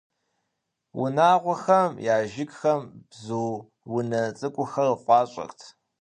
Унагъуэхэм я жыгхэм бзу унэ цӀыкӀухэр фӀащӀэрт.